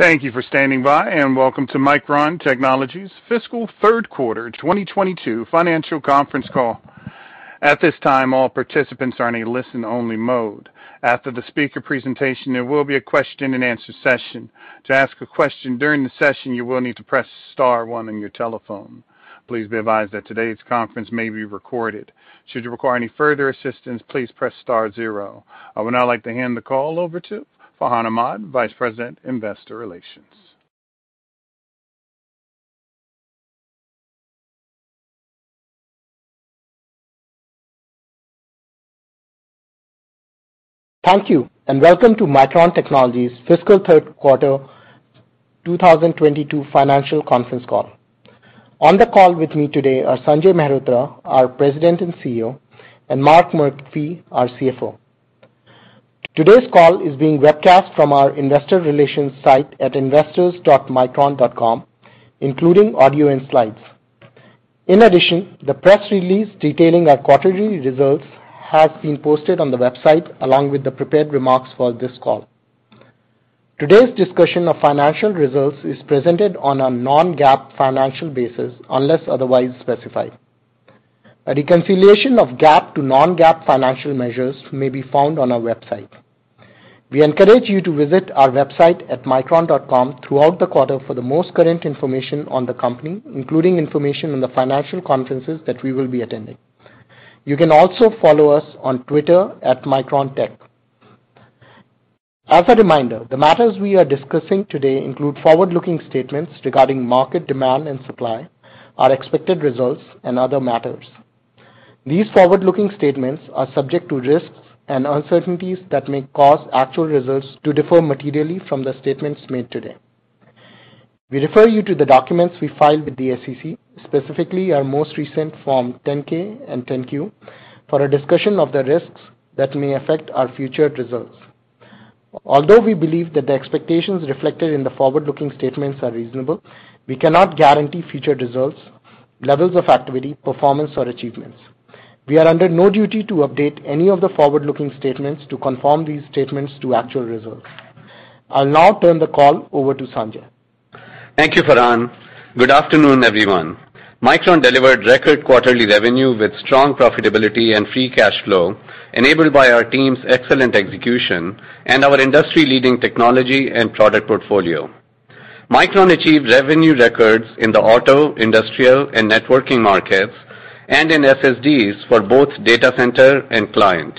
Thank you for standing by and welcome to Micron Technology's fiscal third quarter 2022 financial conference call. At this time, all participants are in a listen-only mode. After the speaker presentation, there will be a question-and-answer session. To ask a question during the session, you will need to press star one on your telephone. Please be advised that today's conference may be recorded. Should you require any further assistance, please press star zero. I would now like to hand the call over to Farhan Ahmad, Vice President, Investor Relations. Thank you, and welcome to Micron Technology's fiscal third quarter 2022 financial conference call. On the call with me today are Sanjay Mehrotra, our President and CEO, and Mark Murphy, our CFO. Today's call is being webcast from our investor relations site at investors.micron.com, including audio and slides. In addition, the press release detailing our quarterly results has been posted on the website, along with the prepared remarks for this call. Today's discussion of financial results is presented on a non-GAAP financial basis, unless otherwise specified. A reconciliation of GAAP to non-GAAP financial measures may be found on our website. We encourage you to visit our website at micron.com throughout the quarter for the most current information on the company, including information on the financial conferences that we will be attending. You can also follow us on Twitter at MicronTech. As a reminder, the matters we are discussing today include forward-looking statements regarding market demand and supply, our expected results, and other matters. These forward-looking statements are subject to risks and uncertainties that may cause actual results to differ materially from the statements made today. We refer you to the documents we filed with the SEC, specifically our most recent Form 10-K and 10-Q, for a discussion of the risks that may affect our future results. Although we believe that the expectations reflected in the forward-looking statements are reasonable, we cannot guarantee future results, levels of activity, performance, or achievements. We are under no duty to update any of the forward-looking statements to confirm these statements to actual results. I'll now turn the call over to Sanjay. Thank you, Farhan. Good afternoon, everyone. Micron delivered record quarterly revenue with strong profitability and free cash flow enabled by our team's excellent execution and our industry-leading technology and product portfolio. Micron achieved revenue records in the auto, industrial, and networking markets and in SSDs for both data center and client.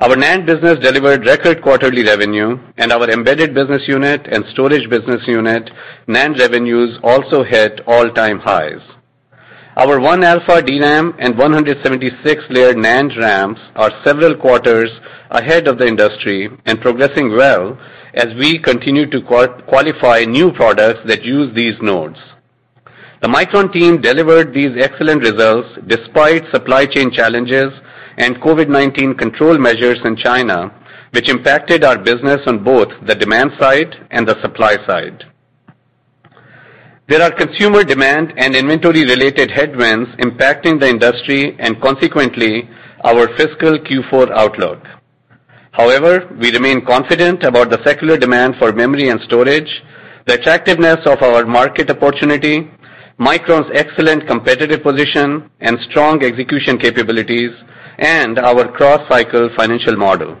Our NAND business delivered record quarterly revenue and our embedded business unit and storage business unit NAND revenues also hit all-time highs. Our 1-alpha DRAM and 176-layer NAND ramps are several quarters ahead of the industry and progressing well as we continue to qualify new products that use these nodes. The Micron team delivered these excellent results despite supply chain challenges and COVID-19 control measures in China, which impacted our business on both the demand side and the supply side. There are consumer demand and inventory related headwinds impacting the industry and consequently our fiscal Q4 outlook. However, we remain confident about the secular demand for memory and storage, the attractiveness of our market opportunity, Micron's excellent competitive position and strong execution capabilities, and our cross-cycle financial model.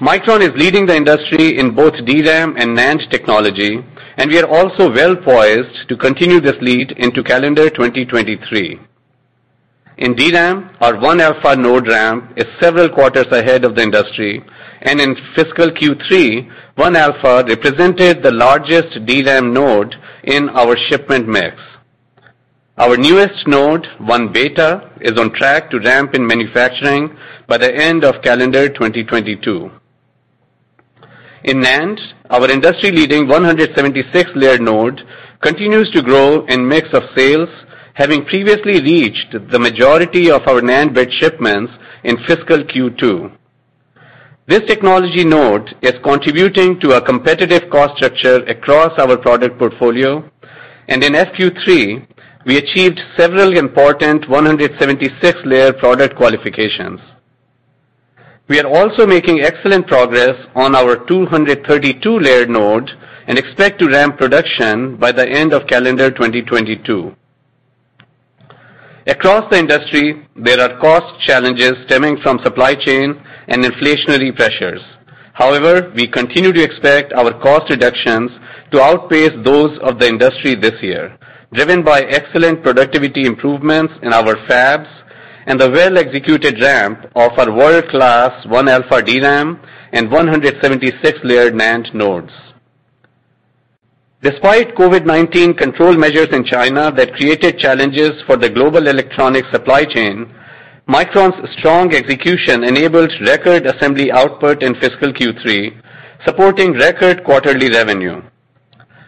Micron is leading the industry in both DRAM and NAND technology, and we are also well poised to continue this lead into calendar 2023. In DRAM, our 1-alpha node ramp is several quarters ahead of the industry, and in fiscal Q3, 1-alpha represented the largest DRAM node in our shipment mix. Our newest node, 1-beta, is on track to ramp in manufacturing by the end of calendar 2022. In NAND, our industry-leading 176-layer node continues to grow in mix of sales, having previously reached the majority of our NAND bit shipments in fiscal Q2. This technology node is contributing to a competitive cost structure across our product portfolio, and in FQ3, we achieved several important 176-layer product qualifications. We are also making excellent progress on our 232-layer node and expect to ramp production by the end of calendar 2022. Across the industry, there are cost challenges stemming from supply chain and inflationary pressures. However, we continue to expect our cost reductions to outpace those of the industry this year, driven by excellent productivity improvements in our fabs and the well-executed ramp of our world-class 1-alpha DRAM and 176-layer NAND nodes. Despite COVID-19 control measures in China that created challenges for the global electronic supply chain, Micron's strong execution enabled record assembly output in fiscal Q3, supporting record quarterly revenue.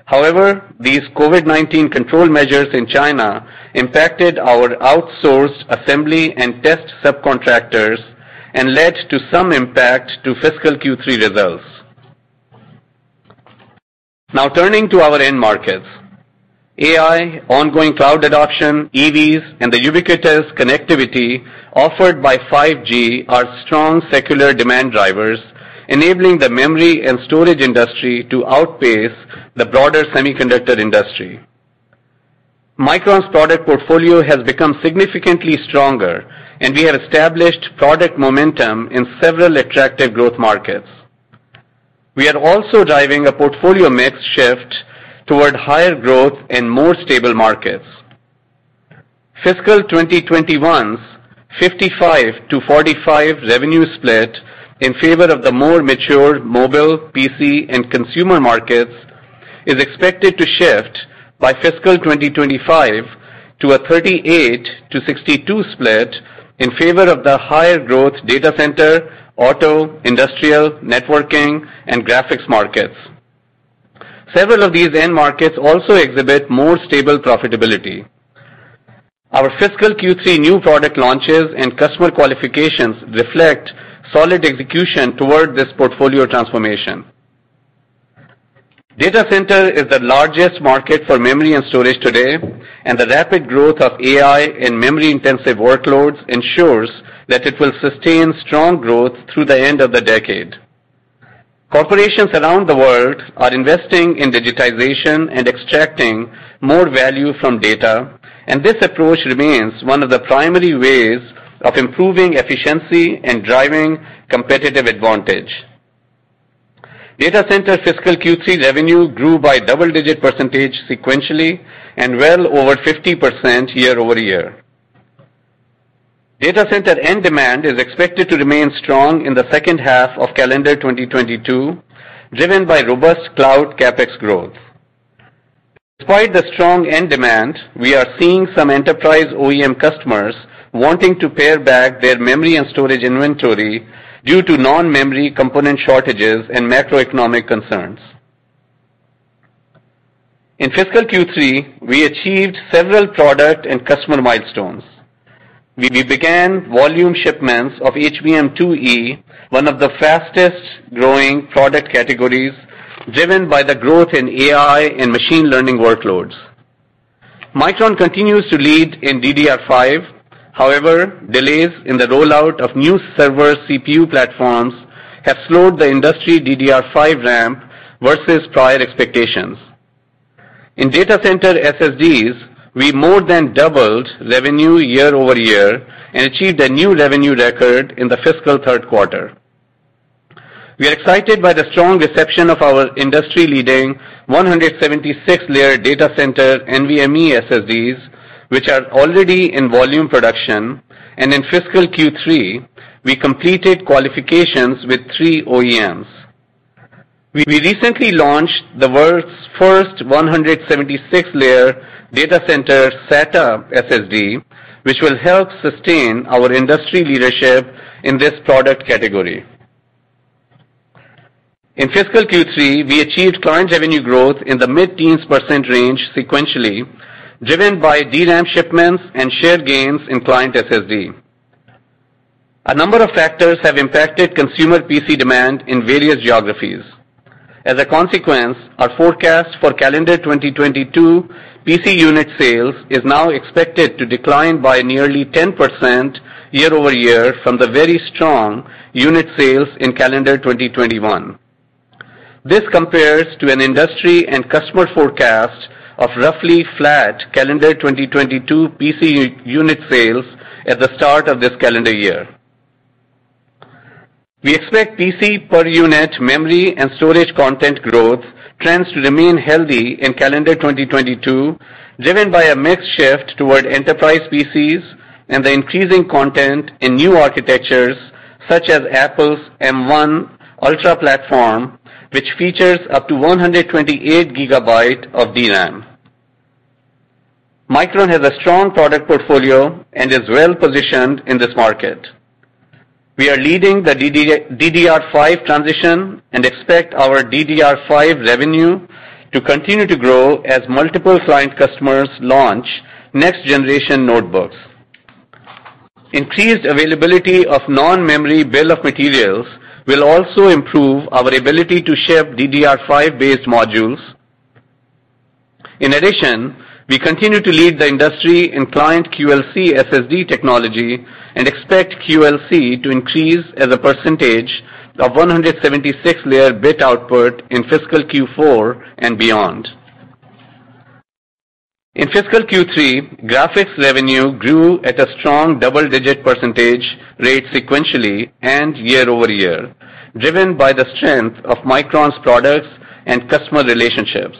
However, these COVID-19 control measures in China impacted our outsourced assembly and test subcontractors and led to some impact to fiscal Q3 results. Now turning to our end markets. AI, ongoing cloud adoption, EVs, and the ubiquitous connectivity offered by 5G are strong secular demand drivers, enabling the memory and storage industry to outpace the broader semiconductor industry. Micron's product portfolio has become significantly stronger and we have established product momentum in several attractive growth markets. We are also driving a portfolio mix shift toward higher growth in more stable markets. Fiscal 2021's 55-45 revenue split in favor of the more mature mobile, PC, and consumer markets is expected to shift by fiscal 2025 to a 38-62 split in favor of the higher growth data center, auto, industrial, networking, and graphics markets. Several of these end markets also exhibit more stable profitability. Our fiscal Q3 new product launches and customer qualifications reflect solid execution toward this portfolio transformation. Data center is the largest market for memory and storage today, and the rapid growth of AI and memory-intensive workloads ensures that it will sustain strong growth through the end of the decade. Corporations around the world are investing in digitization and extracting more value from data, and this approach remains one of the primary ways of improving efficiency and driving competitive advantage. Data center fiscal Q3 revenue grew by double-digit percentage sequentially and well over 50% year-over-year. Data center end demand is expected to remain strong in the second half of calendar 2022, driven by robust cloud CapEx growth. Despite the strong end demand, we are seeing some enterprise OEM customers wanting to pare back their memory and storage inventory due to non-memory component shortages and macroeconomic concerns. In fiscal Q3, we achieved several product and customer milestones. We began volume shipments of HBM2E, one of the fastest-growing product categories, driven by the growth in AI and machine learning workloads. Micron continues to lead in DDR5. However, delays in the rollout of new server CPU platforms have slowed the industry DDR5 ramp versus prior expectations. In data center SSDs, we more than doubled revenue year-over-year and achieved a new revenue record in the fiscal third quarter. We are excited by the strong reception of our industry-leading 176-layer data center NVMe SSDs, which are already in volume production. In fiscal Q3, we completed qualifications with three OEMs. We recently launched the world's first 176-layer data center SATA SSD, which will help sustain our industry leadership in this product category. In fiscal Q3, we achieved client revenue growth in the mid-teens% range sequentially, driven by DRAM shipments and share gains in client SSD. A number of factors have impacted consumer PC demand in various geographies. As a consequence, our forecast for calendar 2022 PC unit sales is now expected to decline by nearly 10% year over year from the very strong unit sales in calendar 2021. This compares to an industry and customer forecast of roughly flat calendar 2022 PC unit sales at the start of this calendar year. We expect PC per unit memory and storage content growth trends to remain healthy in calendar 2022, driven by a mix shift toward enterprise PCs and the increasing content in new architectures such as Apple's M1 Ultra platform, which features up to 128 GB of DRAM. Micron has a strong product portfolio and is well-positioned in this market. We are leading the DDR5 transition and expect our DDR5 revenue to continue to grow as multiple client customers launch next-generation notebooks. Increased availability of non-memory bill of materials will also improve our ability to ship DDR5-based modules. In addition, we continue to lead the industry in client QLC SSD technology and expect QLC to increase as a percentage of 176-layer bit output in fiscal Q4 and beyond. In fiscal Q3, graphics revenue grew at a strong double-digit percentage rate sequentially and year-over-year, driven by the strength of Micron's products and customer relationships.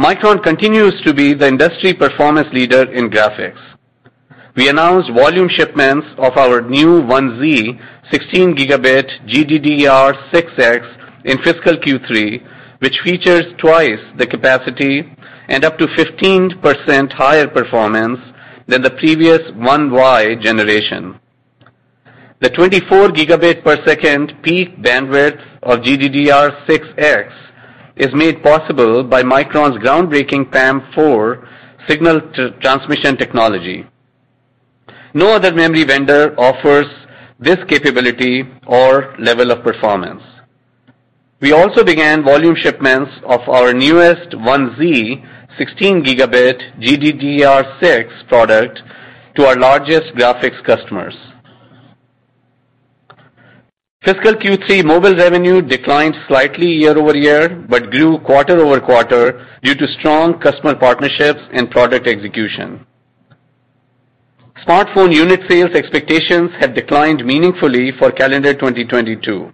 Micron continues to be the industry performance leader in graphics. We announced volume shipments of our new 1z 16 Gb GDDR6X in fiscal Q3, which features twice the capacity and up to 15% higher performance than the previous 1y generation. The 24 Gb/s peak bandwidth of GDDR6X is made possible by Micron's groundbreaking PAM4 signal transmission technology. No other memory vendor offers this capability or level of performance. We also began volume shipments of our newest 1z 16 GB GDDR6 product to our largest graphics customers. Fiscal Q3 mobile revenue declined slightly year-over-year, but grew quarter-over-quarter due to strong customer partnerships and product execution. Smartphone unit sales expectations have declined meaningfully for calendar 2022.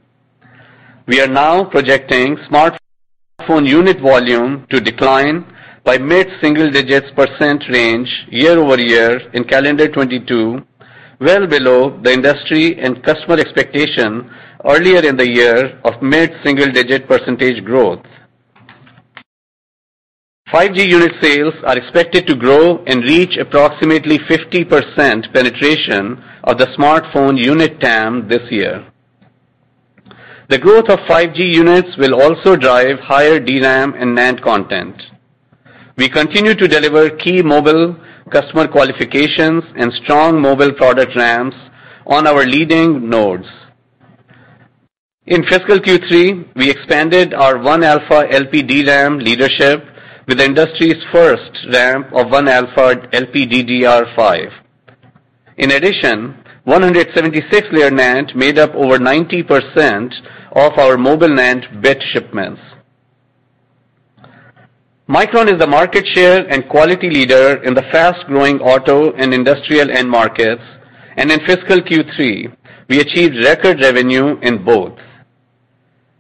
We are now projecting smartphone unit volume to decline by mid-single-digit percentage range year-over-year in calendar 2022, well below the industry and customer expectation earlier in the year of mid-single-digit % growth. 5G unit sales are expected to grow and reach approximately 50% penetration of the smartphone unit TAM this year. The growth of 5G units will also drive higher DRAM and NAND content. We continue to deliver key mobile customer qualifications and strong mobile product ramps on our leading nodes. In fiscal Q3, we expanded our 1α LPDDR leadership with the industry's first ramp of 1-alpha LPDDR5. In addition, 176-layer NAND made up over 90% of our mobile NAND bit shipments. Micron is the market share and quality leader in the fast-growing auto and industrial end markets, and in fiscal Q3, we achieved record revenue in both.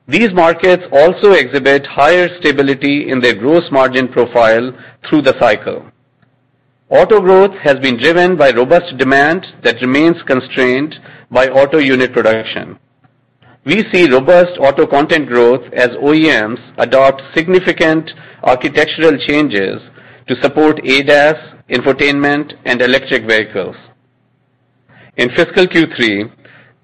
These markets also exhibit higher stability in their gross margin profile through the cycle. Auto growth has been driven by robust demand that remains constrained by auto unit production. We see robust auto content growth as OEMs adopt significant architectural changes to support ADAS, infotainment, and electric vehicles. In fiscal Q3,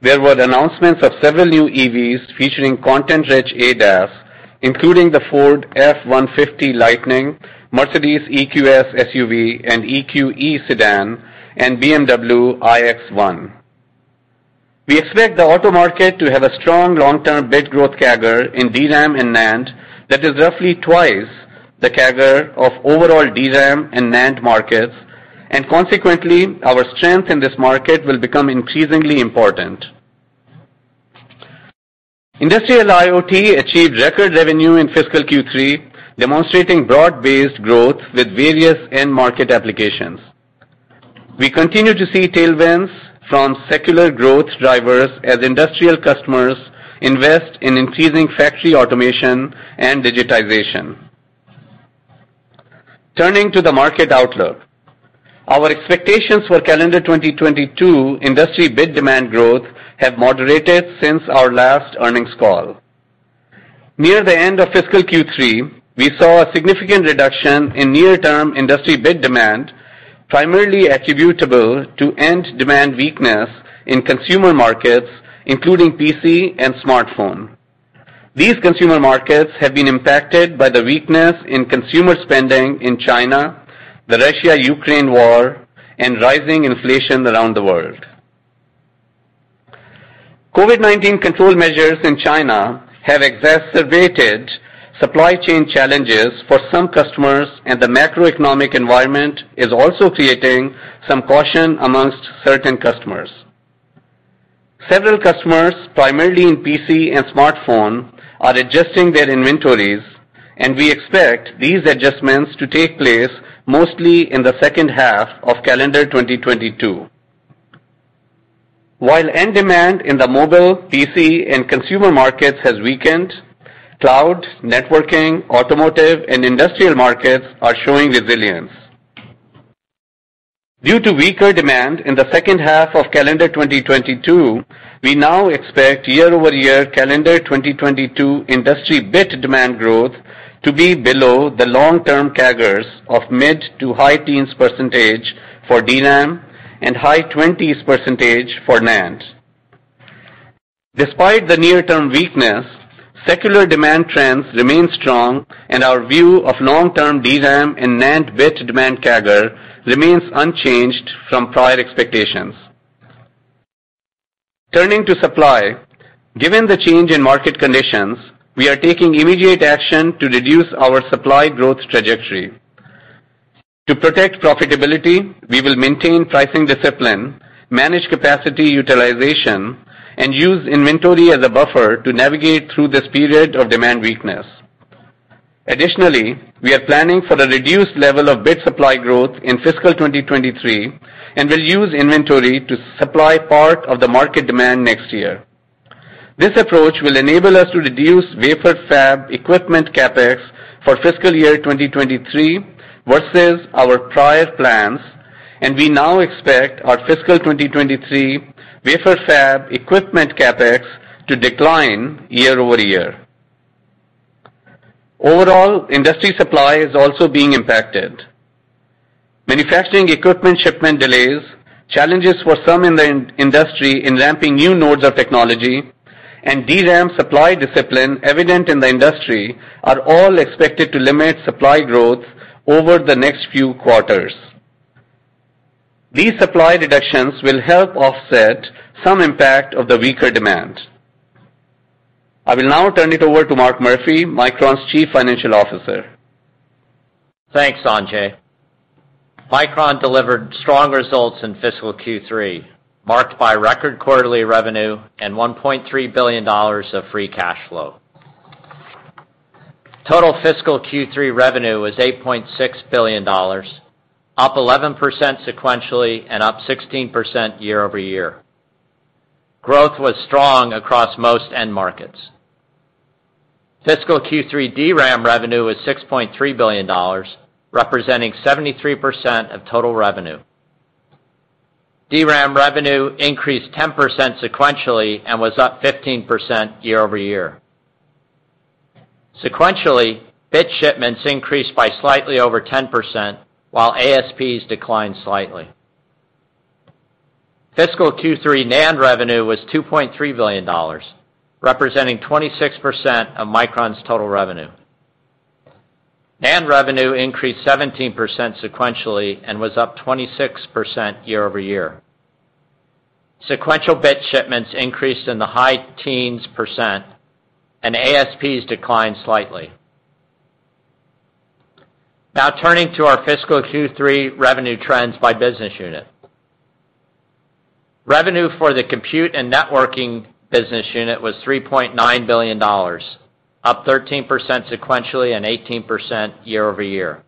there were announcements of several new EVs featuring content-rich ADAS, including the Ford F-150 Lightning, Mercedes-Benz EQS SUV, and EQE sedan, and BMW iX1. We expect the auto market to have a strong long-term bit growth CAGR in DRAM and NAND that is roughly twice the CAGR of overall DRAM and NAND markets, and consequently, our strength in this market will become increasingly important. Industrial IoT achieved record revenue in fiscal Q3, demonstrating broad-based growth with various end market applications. We continue to see tailwinds from secular growth drivers as industrial customers invest in increasing factory automation and digitization. Turning to the market outlook. Our expectations for calendar 2022 industry bit demand growth have moderated since our last earnings call. Near the end of fiscal Q3, we saw a significant reduction in near-term industry bit demand, primarily attributable to end demand weakness in consumer markets, including PC and smartphone. These consumer markets have been impacted by the weakness in consumer spending in China, the Russia-Ukraine war, and rising inflation around the world. COVID-19 control measures in China have exacerbated supply chain challenges for some customers, and the macroeconomic environment is also creating some caution among certain customers. Several customers, primarily in PC and smartphone, are adjusting their inventories, and we expect these adjustments to take place mostly in the second half of calendar 2022. While end demand in the mobile, PC, and consumer markets has weakened, cloud, networking, automotive, and industrial markets are showing resilience. Due to weaker demand in the second half of calendar 2022, we now expect year-over-year calendar 2022 industry bit demand growth to be below the long-term CAGRs of mid- to high-teens percentage for DRAM and high 20s percentage for NAND. Despite the near-term weakness, secular demand trends remain strong and our view of long-term DRAM and NAND bit demand CAGR remains unchanged from prior expectations. Turning to supply. Given the change in market conditions, we are taking immediate action to reduce our supply growth trajectory. To protect profitability, we will maintain pricing discipline, manage capacity utilization, and use inventory as a buffer to navigate through this period of demand weakness. Additionally, we are planning for a reduced level of bit supply growth in fiscal 2023 and will use inventory to supply part of the market demand next year. This approach will enable us to reduce wafer fab equipment CapEx for fiscal year 2023 versus our prior plans, and we now expect our fiscal 2023 wafer fab equipment CapEx to decline year-over-year. Overall, industry supply is also being impacted. Manufacturing equipment shipment delays, challenges for some in the industry in ramping new nodes of technology, and DRAM supply discipline evident in the industry are all expected to limit supply growth over the next few quarters. These supply reductions will help offset some impact of the weaker demand. I will now turn it over to Mark Murphy, Micron's Chief Financial Officer. Thanks, Sanjay. Micron delivered strong results in fiscal Q3, marked by record quarterly revenue and $1.3 billion of free cash flow. Total fiscal Q3 revenue was $8.6 billion, up 11% sequentially and up 16% year over year. Growth was strong across most end markets. Fiscal Q3 DRAM revenue was $6.3 billion, representing 73% of total revenue. DRAM revenue increased 10% sequentially and was up 15% year over year. Sequentially, bit shipments increased by slightly over 10%, while ASPs declined slightly. Fiscal Q3 NAND revenue was $2.3 billion, representing 26% of Micron's total revenue. NAND revenue increased 17% sequentially and was up 26% year over year. Sequential bit shipments increased in the high teens percent, and ASPs declined slightly. Now turning to our fiscal Q3 revenue trends by business unit. Revenue for the compute and networking business unit was $3.9 billion, up 13% sequentially and 18% year-over-year.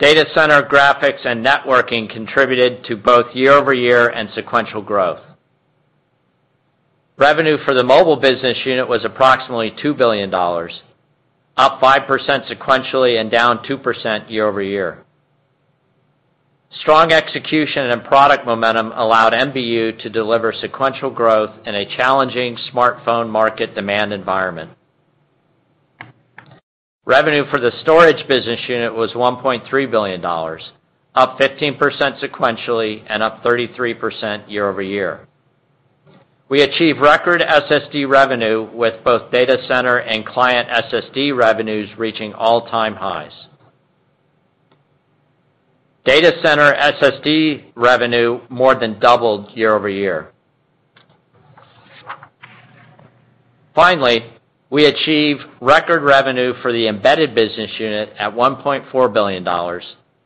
Data center graphics and networking contributed to both year-over-year and sequential growth. Revenue for the mobile business unit was approximately $2 billion, up 5% sequentially and down 2% year-over-year. Strong execution and product momentum allowed MBU to deliver sequential growth in a challenging smartphone market demand environment. Revenue for the storage business unit was $1.3 billion, up 15% sequentially and up 33% year-over-year. We achieved record SSD revenue with both data center and client SSD revenues reaching all-time highs. Data center SSD revenue more than doubled year-over-year. Finally, we achieved record revenue for the embedded business unit at $1.4 billion,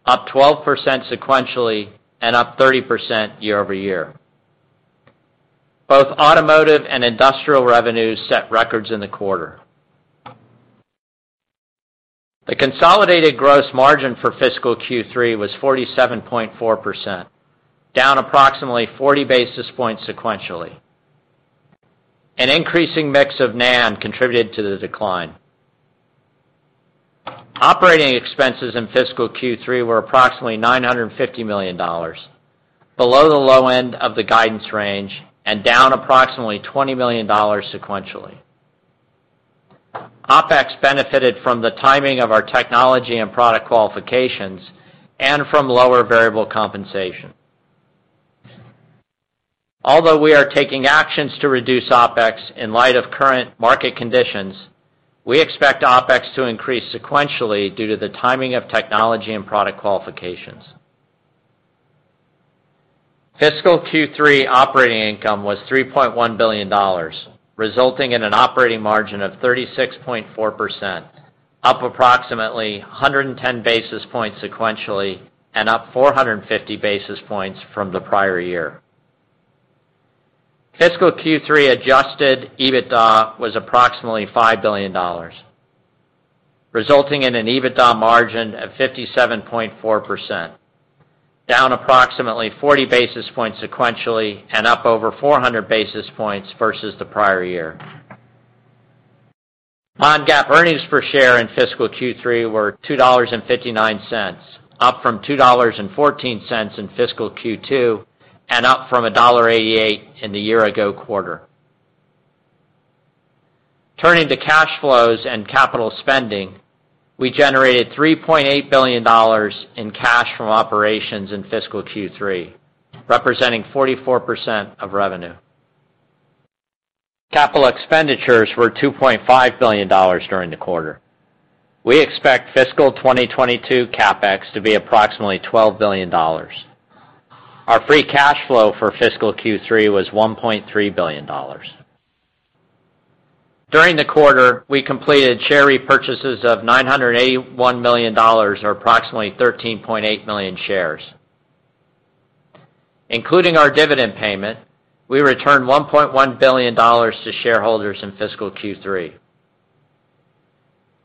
up 12% sequentially and up 30% year-over-year. Both automotive and industrial revenues set records in the quarter. The consolidated gross margin for fiscal Q3 was 47.4%, down approximately 40 basis points sequentially. An increasing mix of NAND contributed to the decline. Operating expenses in fiscal Q3 were approximately $950 million, below the low end of the guidance range and down approximately $20 million sequentially. OpEx benefited from the timing of our technology and product qualifications and from lower variable compensation. Although we are taking actions to reduce OpEx in light of current market conditions, we expect OpEx to increase sequentially due to the timing of technology and product qualifications. Fiscal Q3 operating income was $3.1 billion, resulting in an operating margin of 36.4%, up approximately 110 basis points sequentially and up 450 basis points from the prior year. Fiscal Q3 adjusted EBITDA was approximately $5 billion, resulting in an EBITDA margin of 57.4%, down approximately 40 basis points sequentially and up over 400 basis points versus the prior year. non-GAAP earnings per share in fiscal Q3 were $2.59, up from $2.14 in fiscal Q2 and up from $1.88 in the year ago quarter. Turning to cash flows and capital spending, we generated $3.8 billion in cash from operations in fiscal Q3, representing 44% of revenue. Capital expenditures were $2.5 billion during the quarter. We expect fiscal 2022 CapEx to be approximately $12 billion. Our free cash flow for fiscal Q3 was $1.3 billion. During the quarter, we completed share repurchases of $981 million, or approximately 13.8 million shares. Including our dividend payment, we returned $1.1 billion to shareholders in fiscal Q3.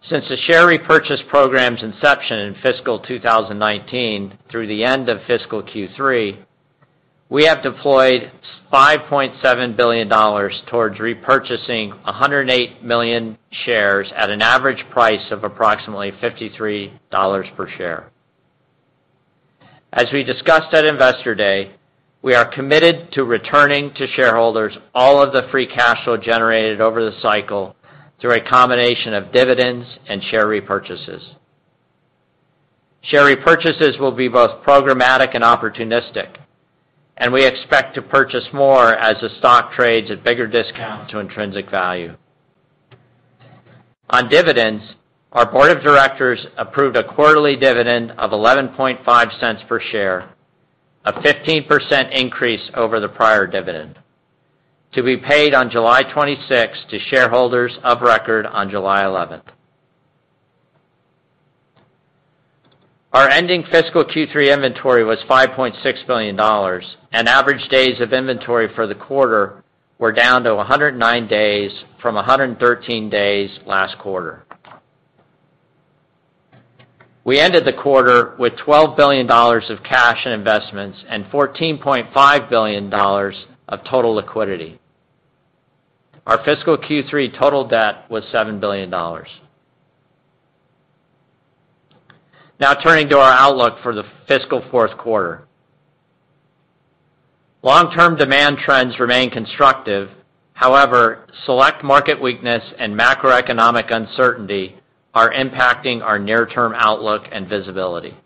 Since the share repurchase program's inception in fiscal 2019 through the end of fiscal Q3, we have deployed $5.7 billion towards repurchasing 108 million shares at an average price of approximately $53 per share. As we discussed at Investor Day, we are committed to returning to shareholders all of the free cash flow generated over the cycle through a combination of dividends and share repurchases. Share repurchases will be both programmatic and opportunistic, and we expect to purchase more as the stock trades at bigger discount to intrinsic value. On dividends, our board of directors approved a quarterly dividend of $0.115 per share, a 15% increase over the prior dividend, to be paid on July 26 to shareholders of record on July 11. Our ending fiscal Q3 inventory was $5.6 billion, and average days of inventory for the quarter were down to 109 days from 113 days last quarter. We ended the quarter with $12 billion of cash and investments and $14.5 billion of total liquidity. Our fiscal Q3 total debt was $7 billion. Now turning to our outlook for the fiscal fourth quarter. Long-term demand trends remain constructive. However, select market weakness and macroeconomic uncertainty are impacting our near-term outlook and visibility.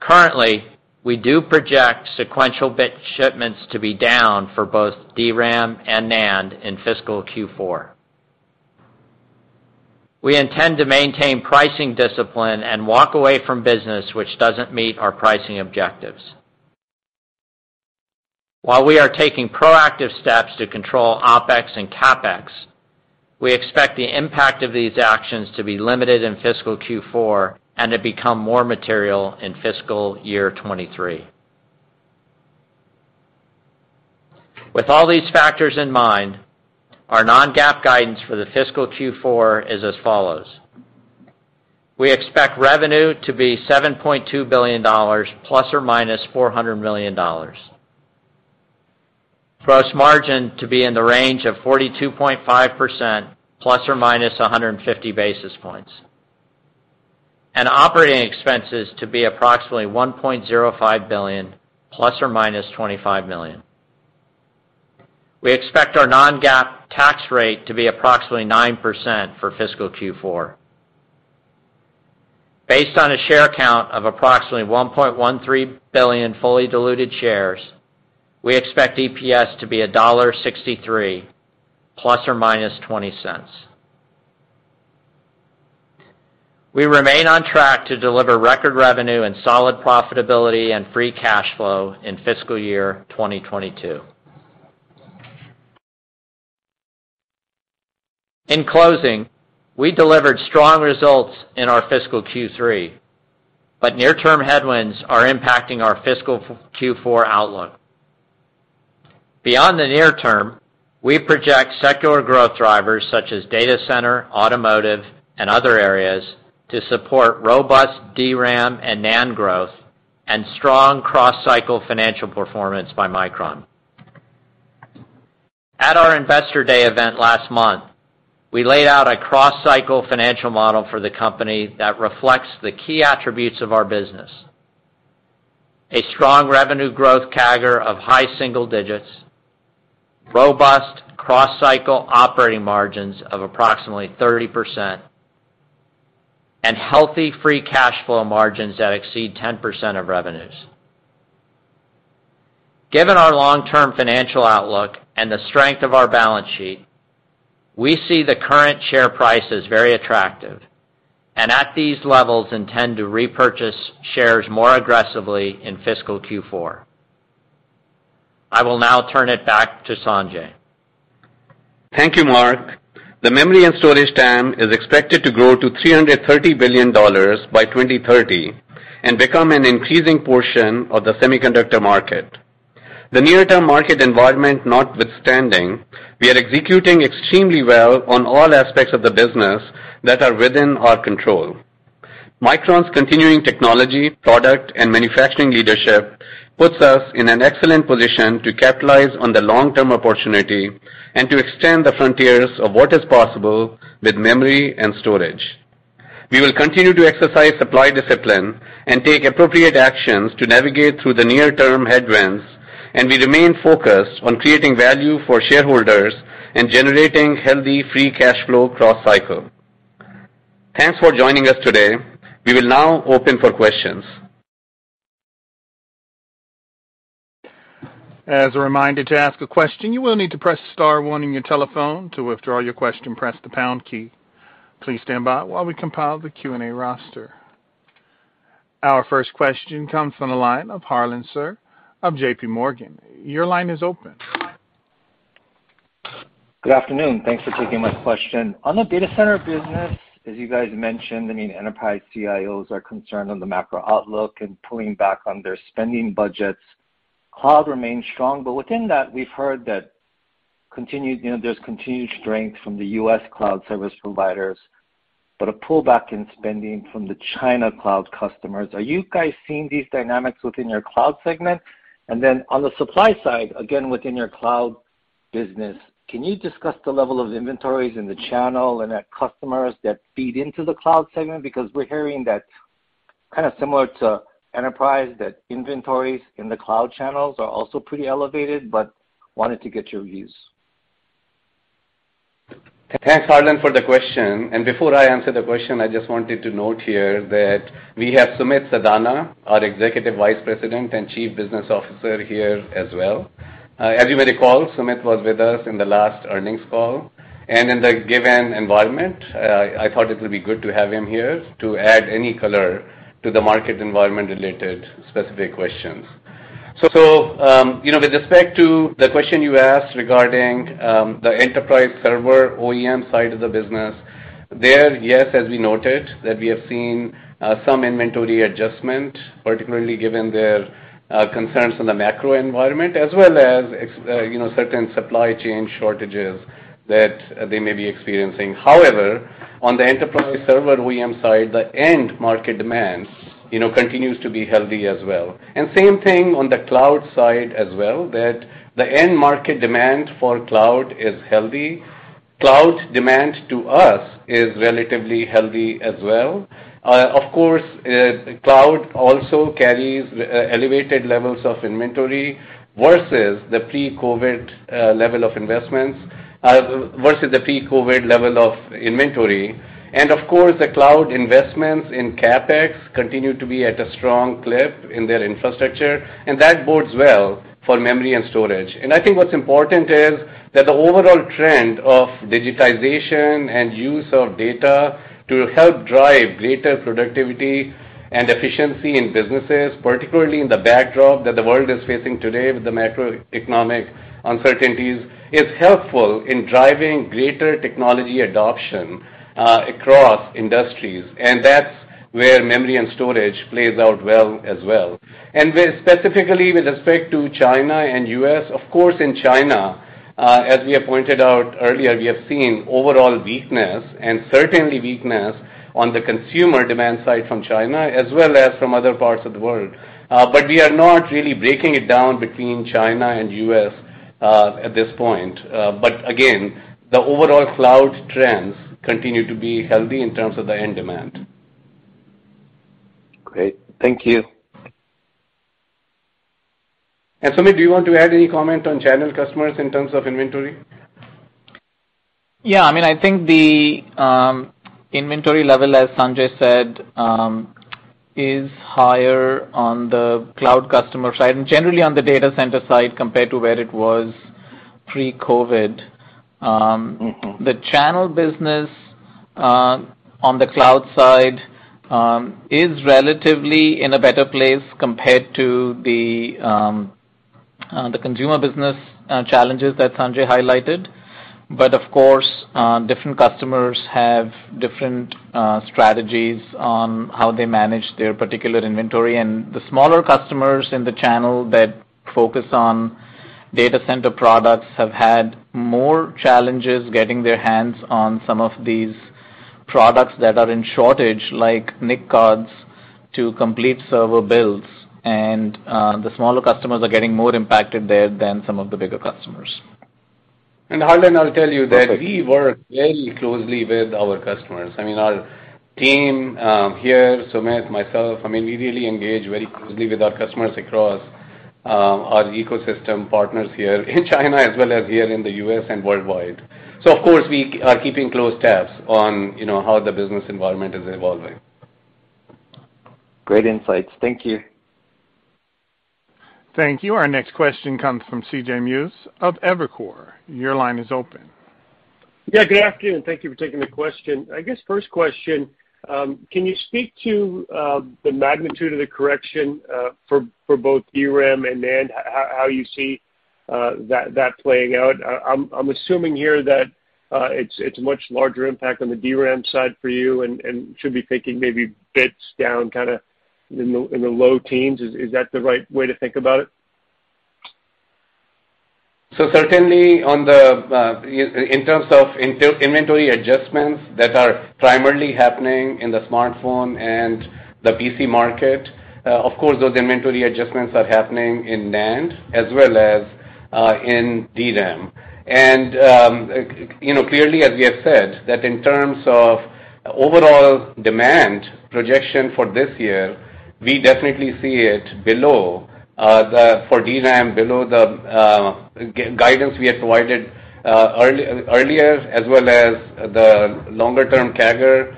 Currently, we do project sequential bit shipments to be down for both DRAM and NAND in fiscal Q4. We intend to maintain pricing discipline and walk away from business which doesn't meet our pricing objectives. While we are taking proactive steps to control OpEx and CapEx, we expect the impact of these actions to be limited in fiscal Q4 and to become more material in fiscal year 2023. With all these factors in mind, our non-GAAP guidance for the fiscal Q4 is as follows. We expect revenue to be $7.2 billion ±$400 million. Gross margin to be in the range of 42.5% ±150 basis points. Operating expenses to be approximately $1.05 billion ±$25 million. We expect our non-GAAP tax rate to be approximately 9% for fiscal Q4. Based on a share count of approximately 1.13 billion fully diluted shares, we expect EPS to be $1.63 ±$0.20. We remain on track to deliver record revenue and solid profitability and free cash flow in fiscal year 2022. In closing, we delivered strong results in our fiscal Q3, but near-term headwinds are impacting our fiscal Q4 outlook. Beyond the near term, we project secular growth drivers such as data center, automotive, and other areas to support robust DRAM and NAND growth and strong cross-cycle financial performance by Micron. At our Investor Day event last month, we laid out a cross-cycle financial model for the company that reflects the key attributes of our business. A strong revenue growth CAGR of high single digits, robust cross-cycle operating margins of approximately 30%, and healthy free cash flow margins that exceed 10% of revenues. Given our long-term financial outlook and the strength of our balance sheet, we see the current share price as very attractive and at these levels intend to repurchase shares more aggressively in fiscal Q4. I will now turn it back to Sanjay. Thank you, Mark. The memory and storage TAM is expected to grow to $330 billion by 2030 and become an increasing portion of the semiconductor market. The near-term market environment notwithstanding, we are executing extremely well on all aspects of the business that are within our control. Micron's continuing technology, product, and manufacturing leadership puts us in an excellent position to capitalize on the long-term opportunity and to extend the frontiers of what is possible with memory and storage. We will continue to exercise supply discipline and take appropriate actions to navigate through the near-term headwinds, and we remain focused on creating value for shareholders and generating healthy free cash flow cross-cycle. Thanks for joining us today. We will now open for questions. As a reminder, to ask a question, you will need to press star one on your telephone. To withdraw your question, press the pound key. Please stand by while we compile the Q&A roster. Our first question comes from the line of Harlan Sur of J.P. Morgan. Your line is open. Good afternoon. Thanks for taking my question. On the data center business, as you guys mentioned, I mean, enterprise CIOs are concerned on the macro outlook and pulling back on their spending budgets. Cloud remains strong, but within that, we've heard that continued, you know, there's continued strength from the US cloud service providers, but a pullback in spending from the China cloud customers. Are you guys seeing these dynamics within your cloud segment? And then on the supply side, again, within your cloud business, can you discuss the level of inventories in the channel and at customers that feed into the cloud segment? Because we're hearing that kind of similar to enterprise, that inventories in the cloud channels are also pretty elevated. But wanted to get your views. Thanks, Harlan, for the question. Before I answer the question, I just wanted to note here that we have Sumit Sadana, our Executive Vice President and Chief Business Officer here as well. As you may recall, Sumit was with us in the last earnings call. In the given environment, I thought it would be good to have him here to add any color to the market environment related specific questions. You know, with respect to the question you asked regarding the enterprise server OEM side of the business, there, yes, as we noted, that we have seen some inventory adjustment, particularly given their concerns on the macro environment as well as you know, certain supply chain shortages that they may be experiencing. However, on the enterprise server OEM side, the end market demand, you know, continues to be healthy as well. Same thing on the cloud side as well, that the end market demand for cloud is healthy. Cloud demand to us is relatively healthy as well. Of course, cloud also carries elevated levels of inventory versus the pre-COVID level of inventory. Of course, the cloud investments in CapEx continue to be at a strong clip in their infrastructure, and that bodes well for memory and storage. I think what's important is that the overall trend of digitization and use of data to help drive greater productivity and efficiency in businesses, particularly in the backdrop that the world is facing today with the macroeconomic uncertainties, is helpful in driving greater technology adoption, across industries, and that's where memory and storage plays out well as well. With, specifically with respect to China and U.S., of course, in China, as we have pointed out earlier, we have seen overall weakness and certainly weakness on the consumer demand side from China, as well as from other parts of the world. But we are not really breaking it down between China and U.S., at this point. But again, the overall cloud trends continue to be healthy in terms of the end demand. Great. Thank you. Sumit, do you want to add any comment on channel customers in terms of inventory? Yeah. I mean, I think the inventory level, as Sanjay said, is higher on the cloud customer side and generally on the data center side compared to where it was pre-COVID. Mm-hmm. The channel business, on the cloud side, is relatively in a better place compared to the consumer business, challenges that Sanjay highlighted. Of course, different customers have different, strategies on how they manage their particular inventory. The smaller customers in the channel that focus on data center products have had more challenges getting their hands on some of these products that are in shortage, like NIC cards, to complete server builds, and, the smaller customers are getting more impacted there than some of the bigger customers. Harlan, I'll tell you that we work very closely with our customers. I mean, our team here, Sumit, myself, I mean, we really engage very closely with our customers across our ecosystem partners here in China as well as here in the U.S. and worldwide. Of course, we are keeping close tabs on, you know, how the business environment is evolving. Great insights. Thank you. Thank you. Our next question comes from C.J. Muse of Evercore. Your line is open. Yeah. Good afternoon. Thank you for taking the question. I guess first question, can you speak to the magnitude of the correction for both DRAM and NAND, how you see that playing out? I'm assuming here that it's much larger impact on the DRAM side for you and should be thinking maybe bits down kinda in the low teens. Is that the right way to think about it? Certainly on the in terms of inventory adjustments that are primarily happening in the smartphone and the PC market, of course, those inventory adjustments are happening in NAND as well as in DRAM. You know, clearly, as we have said, that in terms of overall demand projection for this year, we definitely see it below for DRAM, below the guidance we had provided earlier, as well as the longer-term CAGR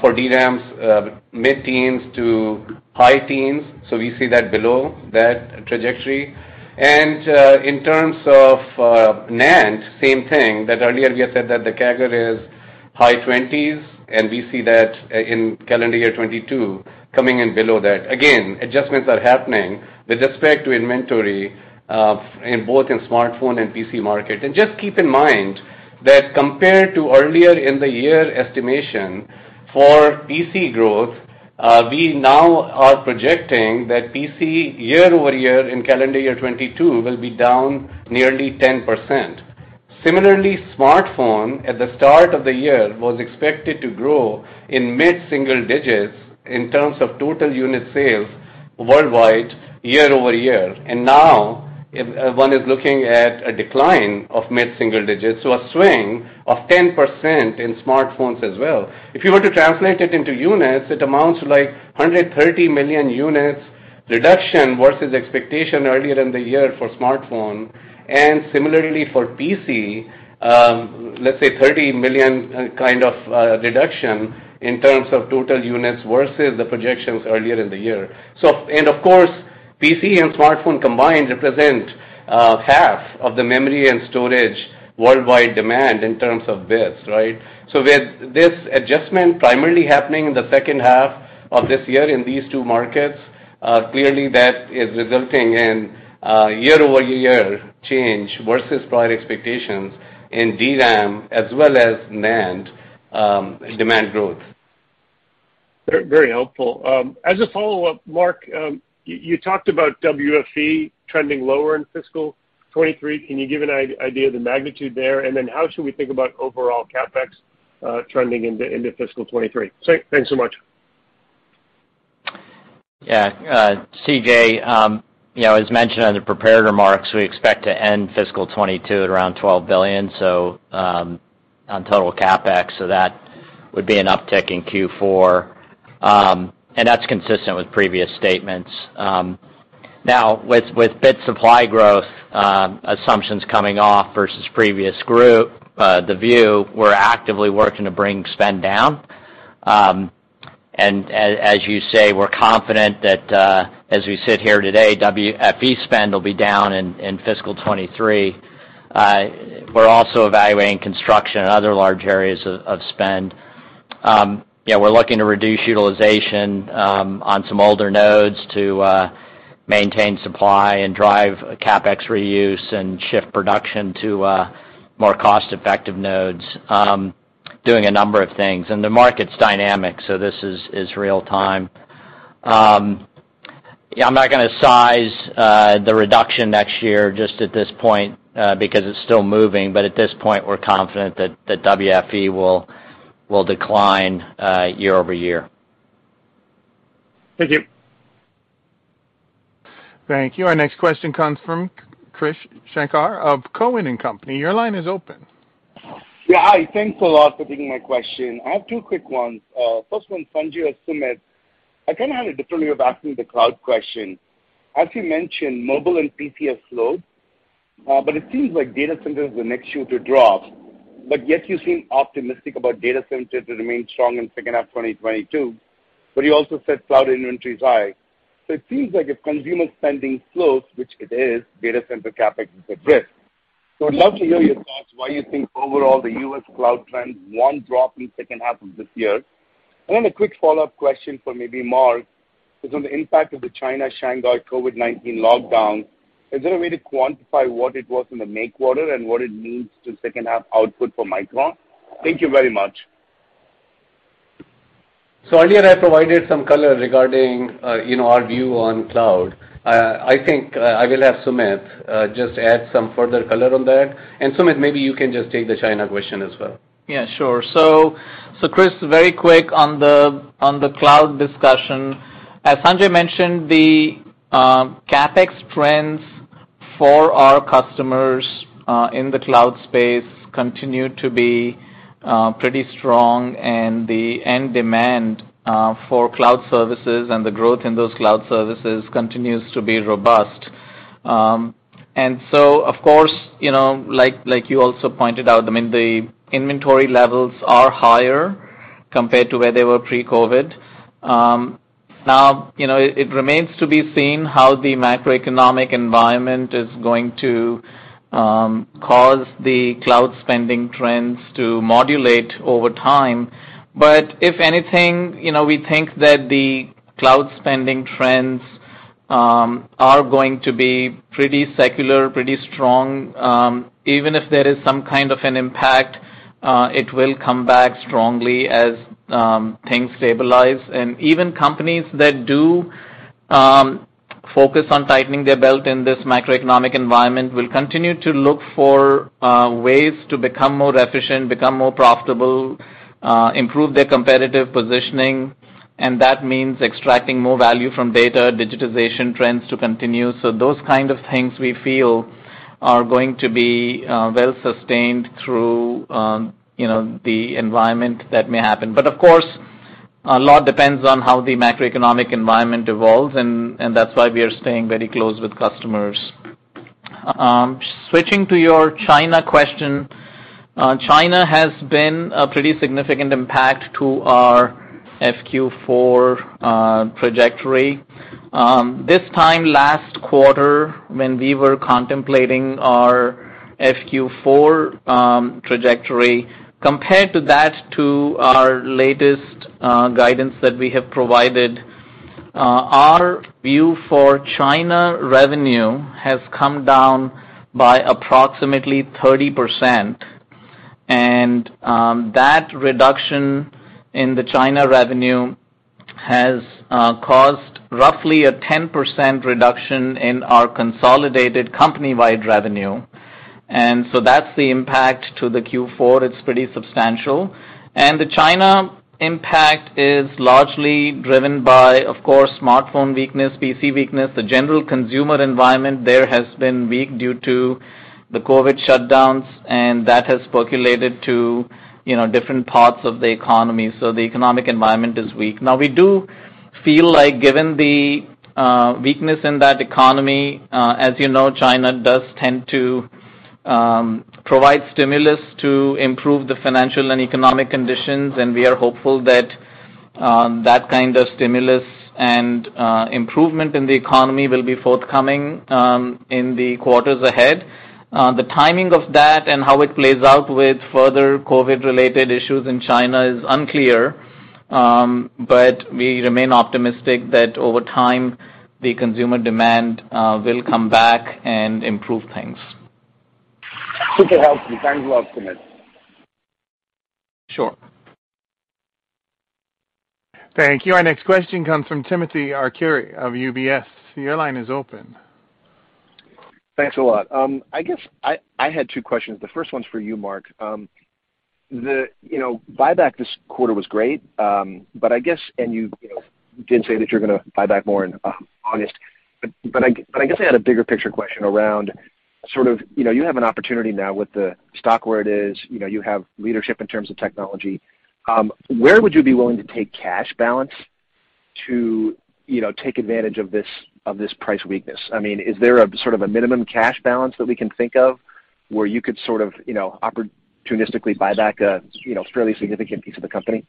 for DRAM's mid-teens to high teens. We see that below that trajectory. In terms of NAND, same thing, that earlier we had said that the CAGR is high 20s, and we see that in calendar year 2022 coming in below that. Again, adjustments are happening with respect to inventory in both smartphone and PC market. Just keep in mind that compared to earlier in the year estimation for PC growth, we now are projecting that PC year over year in calendar year 2022 will be down nearly 10%. Similarly, smartphone at the start of the year was expected to grow in mid-single digits in terms of total unit sales worldwide year-over-year. Now if one is looking at a decline of mid-single digits, so a swing of 10% in smartphones as well. If you were to translate it into units, it amounts to, like, 130 million units reduction versus expectation earlier in the year for smartphone and similarly for PC, let's say 30 million kind of reduction in terms of total units versus the projections earlier in the year. Of course, PC and smartphone combined represent half of the memory and storage worldwide demand in terms of bits, right? With this adjustment primarily happening in the second half of this year in these two markets, clearly, that is resulting in year-over-year change versus prior expectations in DRAM as well as NAND demand growth. Very helpful. As a follow-up, Mark, you talked about WFE trending lower in fiscal 2023. Can you give an idea of the magnitude there? And then how should we think about overall CapEx trending into fiscal 2023? Thanks so much. Yeah, CJ, you know, as mentioned on the prepared remarks, we expect to end fiscal 2022 at around $12 billion on total CapEx. That would be an uptick in Q4. And that's consistent with previous statements. Now with bit supply growth assumptions coming off versus previous guidance, the view, we're actively working to bring spend down. As you say, we're confident that, as we sit here today, WFE spend will be down in fiscal 2023. We're also evaluating construction and other large areas of spend. Yeah, we're looking to reduce utilization on some older nodes to maintain supply and drive CapEx reuse and shift production to more cost-effective nodes. Doing a number of things. The market's dynamic, so this is real time. Yeah, I'm not gonna size the reduction next year just at this point because it's still moving. At this point, we're confident that WFE will decline year-over-year. Thank you. Thank you. Our next question comes from Krish Sankar of Cowen and Company. Your line is open. Yeah. Hi. Thanks a lot for taking my question. I have two quick ones. First one, Sanjay or Sumit, I kinda have the difficulty of asking the cloud question. As you mentioned, mobile and PC have slowed, but it seems like data center is the next shoe to drop. Yet you seem optimistic about data center to remain strong in second half of 2022, but you also said cloud inventory is high. It seems like if consumer spending slows, which it is, data center CapEx is at risk. I'd love to hear your thoughts why you think overall the U.S. cloud trends won't drop in second half of this year. Then a quick follow-up question for maybe Mark is on the impact of the China Shanghai COVID-19 lockdown. Is there a way to quantify what it was in the May quarter and what it means to second half output for Micron? Thank you very much. Earlier, I provided some color regarding, you know, our view on cloud. I think I will have Sumit just add some further color on that. Sumit, maybe you can just take the China question as well. Yeah, sure. Krish, very quick on the cloud discussion. As Sanjay mentioned, the CapEx trends for our customers in the cloud space continue to be pretty strong, and the end demand for cloud services and the growth in those cloud services continues to be robust. Of course, you know, like you also pointed out, I mean, the inventory levels are higher compared to where they were pre-COVID. Now, you know, it remains to be seen how the macroeconomic environment is going to cause the cloud spending trends to modulate over time. If anything, you know, we think that the cloud spending trends are going to be pretty secular, pretty strong. Even if there is some kind of an impact, it will come back strongly as things stabilize. Even companies that do focus on tightening their belt in this macroeconomic environment will continue to look for ways to become more efficient, become more profitable, improve their competitive positioning, and that means extracting more value from data, digitization trends to continue. Those kind of things we feel are going to be well sustained through you know the environment that may happen. Of course, a lot depends on how the macroeconomic environment evolves and that's why we are staying very close with customers. Switching to your China question, China has been a pretty significant impact to our FQ4 trajectory. This time last quarter when we were contemplating our FQ4 trajectory, compared to that to our latest guidance that we have provided, our view for China revenue has come down by approximately 30%. That reduction in the China revenue has caused roughly a 10% reduction in our consolidated company-wide revenue. That's the impact to the Q4. It's pretty substantial. The China impact is largely driven by, of course, smartphone weakness, PC weakness. The general consumer environment there has been weak due to the COVID shutdowns, and that has percolated to, you know, different parts of the economy. The economic environment is weak. Now, we do feel like given the weakness in that economy, as you know, China does tend to provide stimulus to improve the financial and economic conditions, and we are hopeful that that kind of stimulus and improvement in the economy will be forthcoming in the quarters ahead. The timing of that and how it plays out with further COVID-related issues in China is unclear, but we remain optimistic that over time, the consumer demand will come back and improve things. Super helpful. Thank you, Sumit Sadana. Sure. Thank you. Our next question comes from Timothy Arcuri of UBS. Your line is open. Thanks a lot. I guess I had two questions. The first one's for you, Mark. The buyback this quarter was great, but I guess you know, did say that you're gonna buy back more in August. I guess I had a bigger picture question around sort of, you know, you have an opportunity now with the stock where it is, you know, you have leadership in terms of technology. Where would you be willing to take cash balance to, you know, take advantage of this, of this price weakness? I mean, is there a sort of a minimum cash balance that we can think of where you could sort of, you know, opportunistically buy back a, you know, fairly significant piece of the company?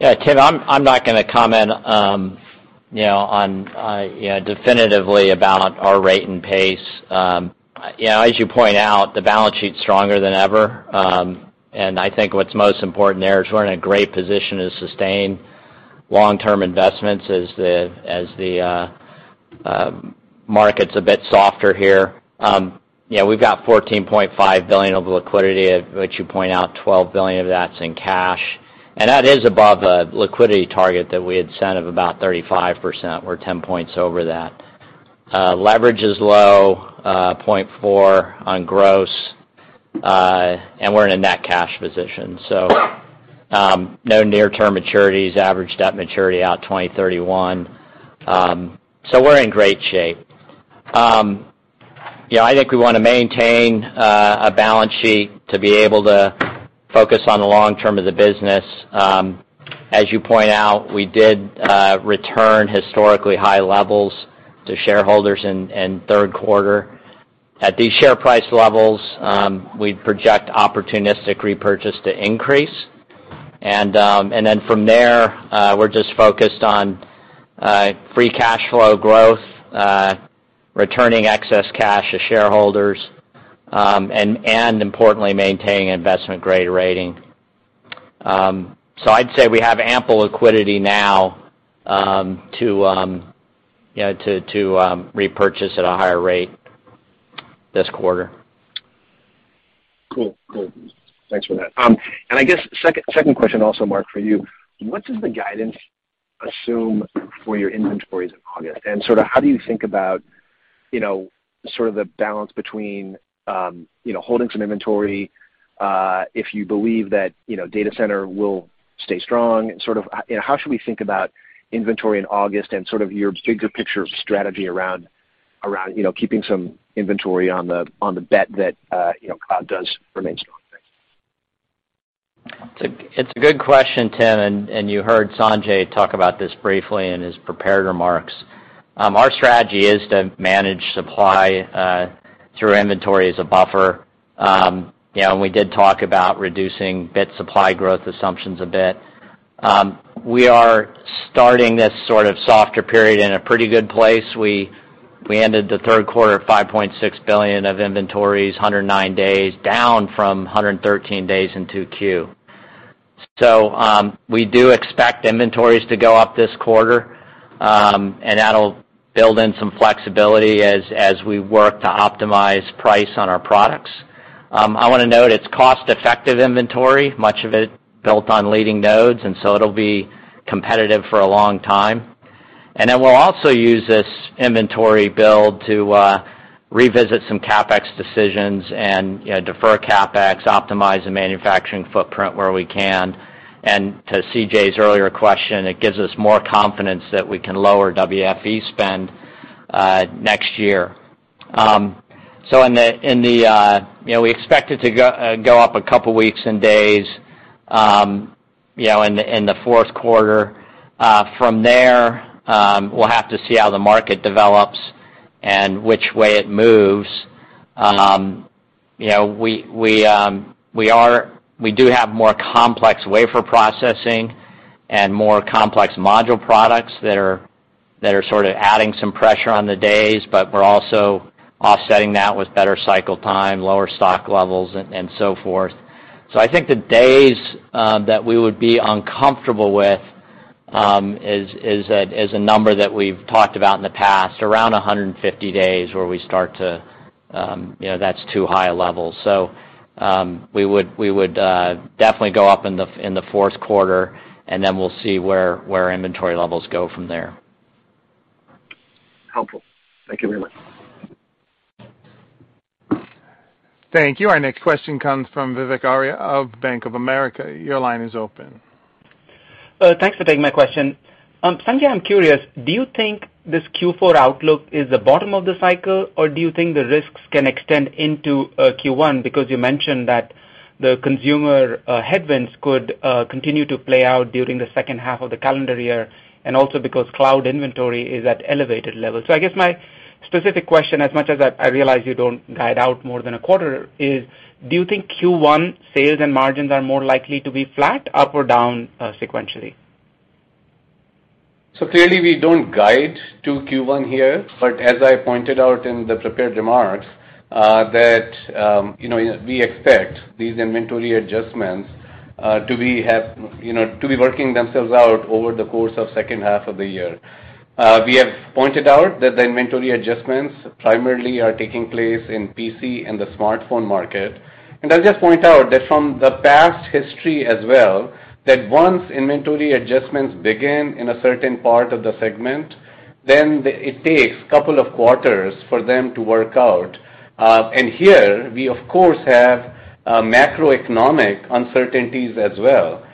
Yeah, Tim, I'm not gonna comment, you know, on you know, definitively about our rate and pace. You know, as you point out, the balance sheet's stronger than ever. I think what's most important there is we're in a great position to sustain long-term investments as the market's a bit softer here. You know, we've got $14.5 billion of liquidity, of which you point out $12 billion of that's in cash. That is above the liquidity target that we had set of about 35%. We're 10 points over that. Leverage is low, 0.4% on gross, and we're in a net cash position. No near-term maturities, average debt maturity out 2031. We're in great shape. You know, I think we wanna maintain a balance sheet to be able to focus on the long term of the business. As you point out, we did return historically high levels to shareholders in third quarter. At these share price levels, we'd project opportunistic repurchase to increase. Then from there, we're just focused on free cash flow growth, returning excess cash to shareholders, and importantly, maintaining investment-grade rating. I'd say we have ample liquidity now, you know, to repurchase at a higher rate this quarter. Thanks for that. I guess second question also, Mark, for you. What does the guidance assume for your inventories in August? Sort of how do you think about, you know, sort of the balance between, you know, holding some inventory, if you believe that, you know, data center will stay strong? Sort of, you know, how should we think about inventory in August and sort of your bigger picture strategy around, you know, keeping some inventory on the bet that, you know, cloud does remain strong? It's a good question, Tim, and you heard Sanjay talk about this briefly in his prepared remarks. Our strategy is to manage supply through inventory as a buffer. You know, and we did talk about reducing bit supply growth assumptions a bit. We are starting this sort of softer period in a pretty good place. We ended the third quarter at $5.6 billion of inventories, 109 days, down from 113 days in 2Q. We do expect inventories to go up this quarter, and that'll build in some flexibility as we work to optimize price on our products. I wanna note it's cost-effective inventory, much of it built on leading nodes, and so it'll be competitive for a long time. Then we'll also use this inventory build to revisit some CapEx decisions and, you know, defer CapEx, optimize the manufacturing footprint where we can. To C.J.'s earlier question, it gives us more confidence that we can lower WFE spend next year. In the, you know, we expect it to go up a couple weeks and days, you know, in the fourth quarter. From there, we'll have to see how the market develops and which way it moves. You know, we do have more complex wafer processing and more complex module products that are sort of adding some pressure on the days, but we're also offsetting that with better cycle time, lower stock levels, and so forth. I think the days that we would be uncomfortable with is a number that we've talked about in the past, around 150 days where we start to, you know, that's too high a level. We would definitely go up in the fourth quarter, and then we'll see where inventory levels go from there. Helpful. Thank you very much. Thank you. Our next question comes from Vivek Arya of Bank of America. Your line is open. Thanks for taking my question. Sanjay, I'm curious, do you think this Q4 outlook is the bottom of the cycle, or do you think the risks can extend into Q1? Because you mentioned that... The consumer headwinds could continue to play out during the second half of the calendar year, and also because cloud inventory is at elevated levels. I guess my specific question, as much as I realize you don't guide out more than a quarter, is do you think Q1 sales and margins are more likely to be flat, up, or down sequentially? Clearly we don't guide to Q1 here, but as I pointed out in the prepared remarks, you know, we expect these inventory adjustments to be working themselves out over the course of second half of the year. We have pointed out that the inventory adjustments primarily are taking place in PC and the smartphone market. I'll just point out that from the past history as well, once inventory adjustments begin in a certain part of the segment, then it takes couple of quarters for them to work out. Here we of course have macroeconomic uncertainties as well.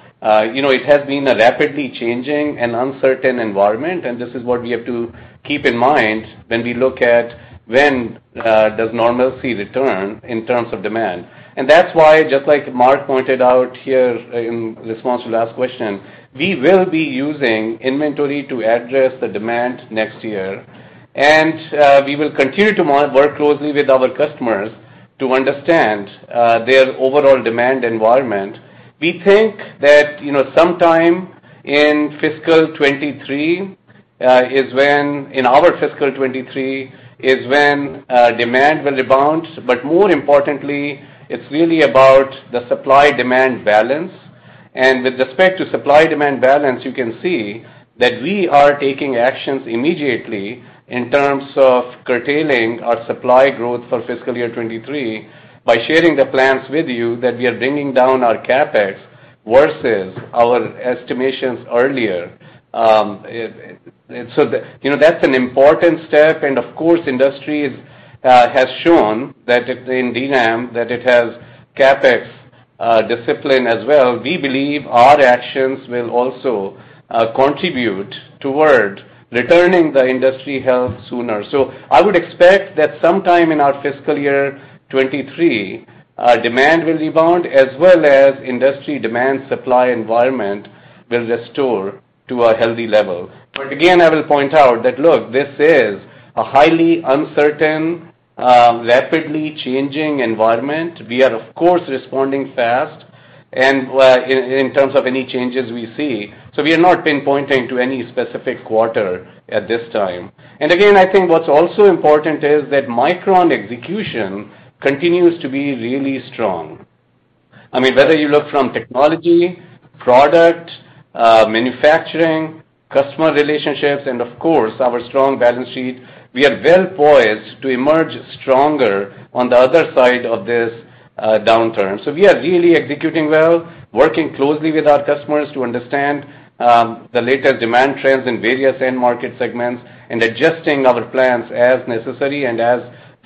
You know, it has been a rapidly changing and uncertain environment, and this is what we have to keep in mind when we look at when does normalcy return in terms of demand. That's why, just like Mark pointed out here in response to last question, we will be using inventory to address the demand next year. We will continue to work closely with our customers to understand their overall demand environment. We think that, you know, sometime in fiscal 2023 is when in our fiscal 2023 demand will rebound. But more importantly, it's really about the supply-demand balance. With respect to supply-demand balance, you can see that we are taking actions immediately in terms of curtailing our supply growth for fiscal year 2023 by sharing the plans with you that we are bringing down our CapEx versus our estimations earlier. You know, that's an important step and of course, industry has shown that it in DRAM has CapEx discipline as well. We believe our actions will also contribute toward returning the industry health sooner. I would expect that sometime in our fiscal year 2023, demand will rebound as well as industry demand supply environment will restore to a healthy level. Again, I will point out that, look, this is a highly uncertain, rapidly changing environment. We are of course responding fast, and in terms of any changes we see. We are not pinpointing to any specific quarter at this time. Again, I think what's also important is that Micron execution continues to be really strong. I mean, whether you look from technology, product, manufacturing, customer relationships, and of course our strong balance sheet, we are well poised to emerge stronger on the other side of this, downturn. We are really executing well, working closely with our customers to understand the latest demand trends in various end market segments and adjusting our plans as necessary and as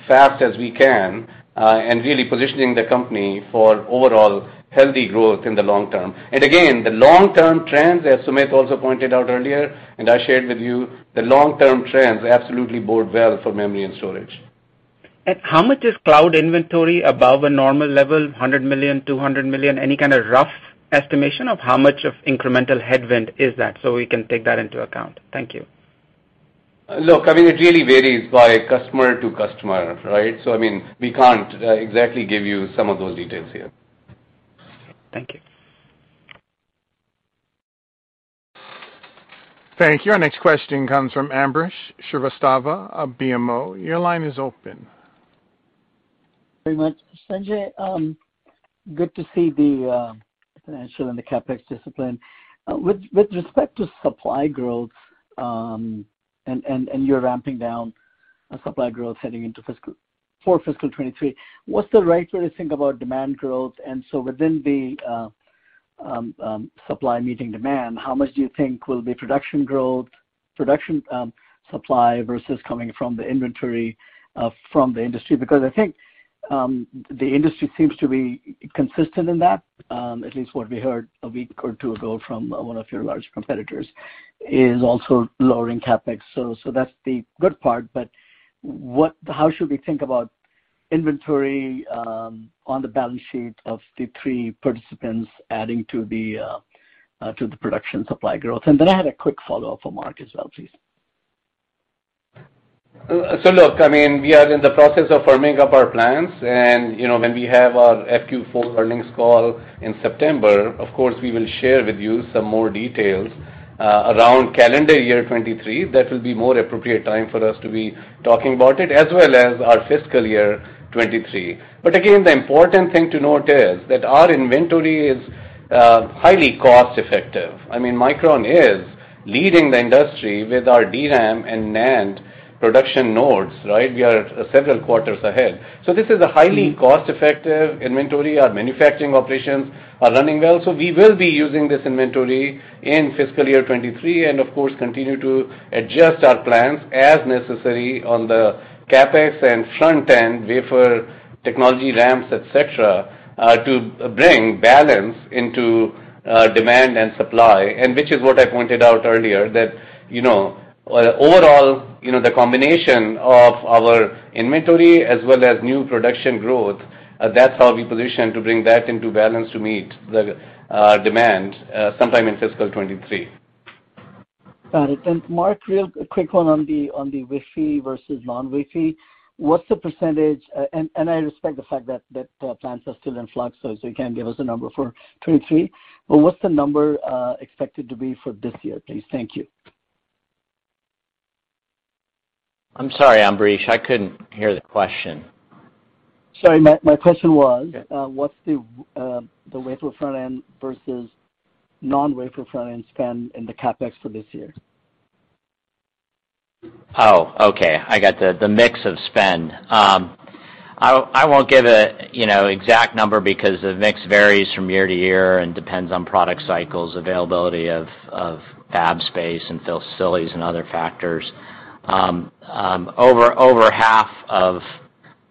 fast as we can, and really positioning the company for overall healthy growth in the long term. Again, the long-term trends, as Sumit also pointed out earlier, and I shared with you, the long-term trends absolutely bode well for memory and storage. How much is cloud inventory above a normal level, $100 million, $200 million? Any kind of rough estimation of how much of incremental headwind is that, so we can take that into account? Thank you. Look, I mean it really varies by customer to customer, right? I mean, we can't exactly give you some of those details here. Thank you. Thank you. Our next question comes from Ambrish Srivastava of BMO. Your line is open. Very much. Sanjay, good to see the financial and the CapEx discipline. With respect to supply growth and your ramping down of supply growth heading into fiscal 2023, what's the right way to think about demand growth? Within the supply meeting demand, how much do you think will be production growth supply versus coming from the inventory from the industry? Because I think the industry seems to be consistent in that at least what we heard a week or two ago from one of your large competitors is also lowering CapEx. That's the good part, but how should we think about inventory on the balance sheet of the three participants adding to the production supply growth? I had a quick follow-up for Mark as well, please. Look, I mean, we are in the process of firming up our plans and, you know, when we have our FQ4 earnings call in September, of course, we will share with you some more details, around calendar year 2023. That will be more appropriate time for us to be talking about it, as well as our fiscal year 2023. Again, the important thing to note is that our inventory is, highly cost-effective. I mean, Micron is leading the industry with our DRAM and NAND production nodes, right? We are several quarters ahead. This is a highly cost-effective inventory. Our manufacturing operations are running well. We will be using this inventory in fiscal year 2023 and of course continue to adjust our plans as necessary on the CapEx and front end wafer technology ramps, et cetera, to bring balance into demand and supply. Which is what I pointed out earlier that, you know, overall, you know, the combination of our inventory as well as new production growth, that's how we position to bring that into balance to meet the demand sometime in fiscal 2023. Got it. Mark, real quick one on the WFE versus non-WFE. What's the percentage, and I respect the fact that plans are still in flux, so you can't give us a number for 2023. What's the number expected to be for this year, please? Thank you. I'm sorry, Ambrish. I couldn't hear the question. Sorry. My question was. Yeah. What's the wafer front-end versus non-wafer front-end spend in the CapEx for this year? Oh, okay. I got the mix of spend. I won't give a, you know, exact number because the mix varies from year to year and depends on product cycles, availability of fab space and facilities and other factors. Over half of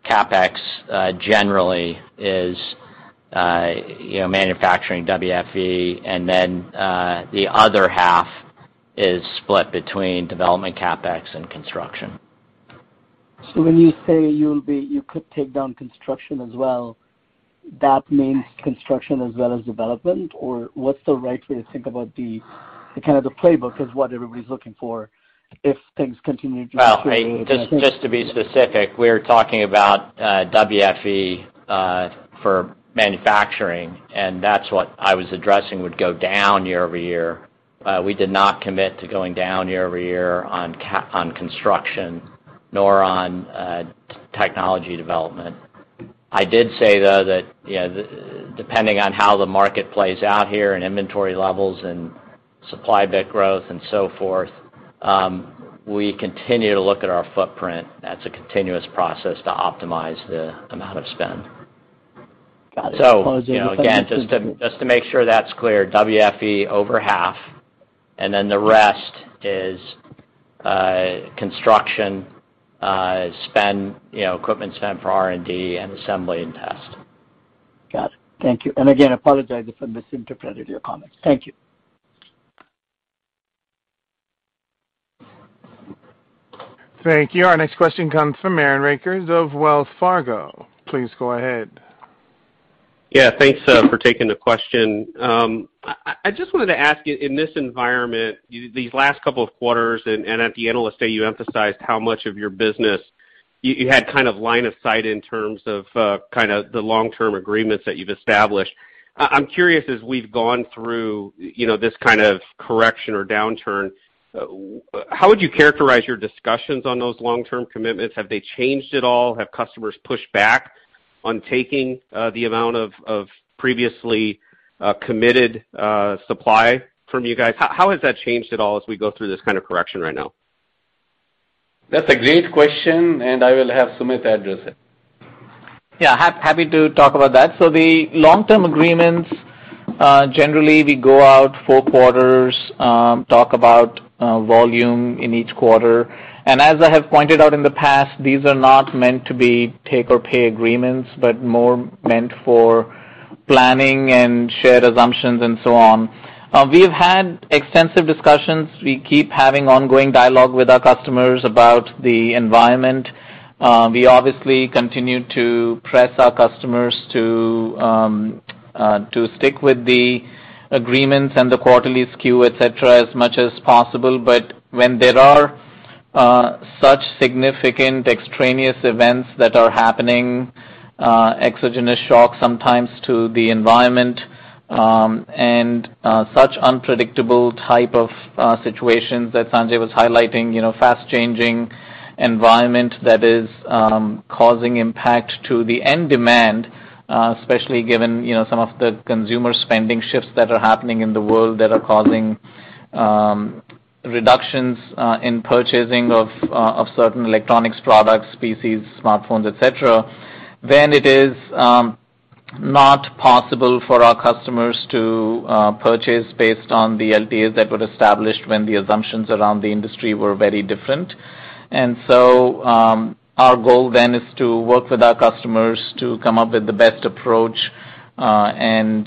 CapEx generally is, you know, manufacturing WFE, and then the other half is split between development CapEx and construction. When you say you could take down construction as well, that means construction as well as development? Or what's the right way to think about the kind of playbook is what everybody's looking for if things continue to Just to be specific, we're talking about WFE for manufacturing, and that's what I was addressing would go down year-over-year. We did not commit to going down year-over-year on construction, nor on technology development. I did say, though, that you know, depending on how the market plays out here and inventory levels and supply bit growth and so forth, we continue to look at our footprint. That's a continuous process to optimize the amount of spend. Got it. Apologies for the misinterpretation. you know, again, just to make sure that's clear, WFE over half, and then the rest is construction spend, you know, equipment spend for R&D and assembly and test. Got it. Thank you. Again, apologize for the misinterpretation of your comments. Thank you. Thank you. Our next question comes from Aaron Rakers of Wells Fargo. Please go ahead. Yeah. Thanks for taking the question. I just wanted to ask you, in this environment, you these last couple of quarters, and at the Analyst Day, you emphasized how much of your business you had kind of line of sight in terms of kinda the long-term agreements that you've established. I'm curious, as we've gone through, you know, this kind of correction or downturn, how would you characterize your discussions on those long-term commitments? Have they changed at all? Have customers pushed back on taking the amount of previously committed supply from you guys? How has that changed at all as we go through this kind of correction right now? That's a great question, and I will have Sumit address it. Yeah. Happy to talk about that. The long-term agreements generally we go out four quarters, talk about volume in each quarter. As I have pointed out in the past, these are not meant to be take or pay agreements, but more meant for planning and shared assumptions and so on. We've had extensive discussions. We keep having ongoing dialogue with our customers about the environment. We obviously continue to press our customers to stick with the agreements and the quarterly SKU, et cetera, as much as possible. When there are such significant extraneous events that are happening, exogenous shocks sometimes to the environment, and such unpredictable type of situations that Sanjay was highlighting, you know, fast changing environment that is causing impact to the end demand, especially given, you know, some of the consumer spending shifts that are happening in the world that are causing reductions in purchasing of certain electronics products, PCs, smartphones, et cetera, then it is not possible for our customers to purchase based on the LTAs that were established when the assumptions around the industry were very different. Our goal then is to work with our customers to come up with the best approach, and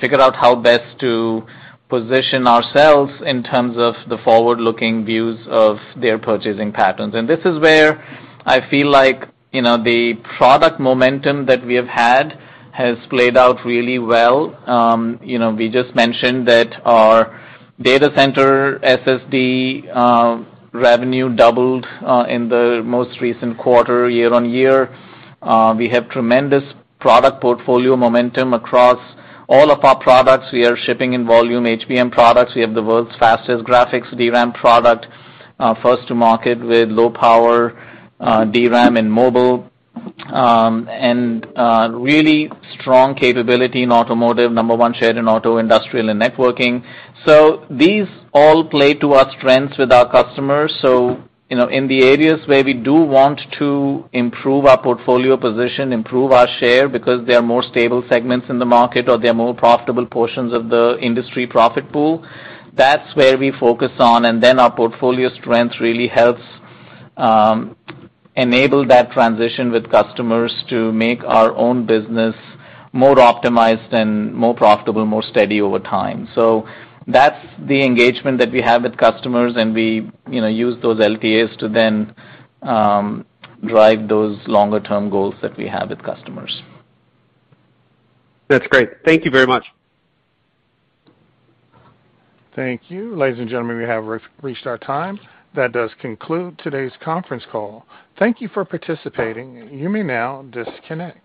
figure out how best to position ourselves in terms of the forward-looking views of their purchasing patterns. This is where I feel like, you know, the product momentum that we have had has played out really well. You know, we just mentioned that our data center SSD revenue doubled in the most recent quarter, year-over-year. We have tremendous product portfolio momentum across all of our products. We are shipping in volume HBM products. We have the world's fastest graphics DRAM product, first to market with low power DRAM in mobile. Really strong capability in automotive, number one share in auto, industrial, and networking. These all play to our strengths with our customers. You know, in the areas where we do want to improve our portfolio position, improve our share, because they are more stable segments in the market, or they are more profitable portions of the industry profit pool, that's where we focus on, and then our portfolio strength really helps enable that transition with customers to make our own business more optimized and more profitable, more steady over time. That's the engagement that we have with customers, and we, you know, use those LTAs to then drive those longer-term goals that we have with customers. That's great. Thank you very much. Thank you. Ladies and gentlemen, we have reached our time. That does conclude today's conference call. Thank you for participating. You may now disconnect.